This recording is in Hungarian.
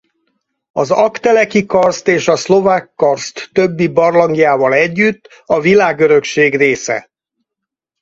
Az Aggteleki-karszt és Szlovák-karszt többi barlangjával együtt a Világörökség része.